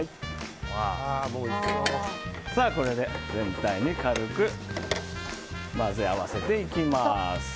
これで全体を軽く混ぜ合わせていきます。